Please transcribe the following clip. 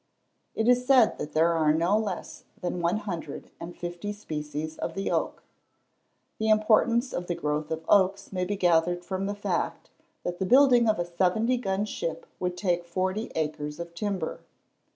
It is said that there are no less than one hundred and fifty species of the oak. The importance of the growth of oaks may be gathered from the fact, that the building of a 70 gun ship would take forty acres of timber.